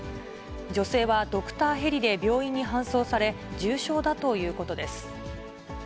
女性はドクターヘリで病院に搬送され、重傷だということです。